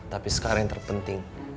tapi sekarang yang terpenting